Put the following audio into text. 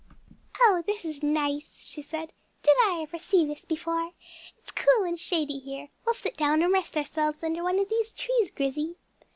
"Oh, this is nice!" she said. "Did I ever see this before? It's cool and shady here; we'll sit down and rest ourselves under one of these trees, Grizzy."